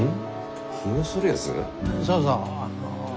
そうそう。